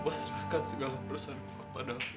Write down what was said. pasrahkan segala perasaanku kepadaku